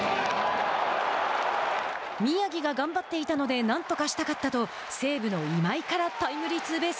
「宮城が頑張っていたのでなんとかしたかった」と西武の今井からタイムリーツーベース。